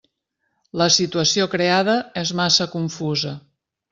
La situació creada és massa confusa.